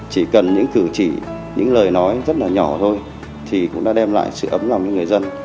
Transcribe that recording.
chỉ cần những cử chỉ những lời nói rất là nhỏ thôi thì cũng đã đem lại sự ấm lòng cho người dân